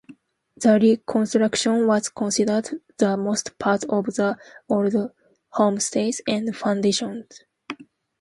The reconstruction was considered the most part of the old homesteads and foundations.